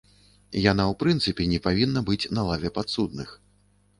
Яна ў прынцыпе не павінна быць на лаве падсудных.